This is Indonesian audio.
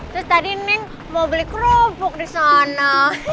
terus tadi neng mau beli keropok di sana